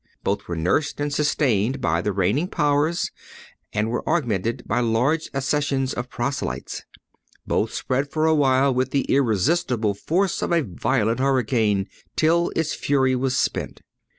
Both were nursed and sustained by the reigning Powers, and were augmented by large accessions of proselytes. Both spread for awhile with the irresistible force of a violent hurricane, till its fury was spent.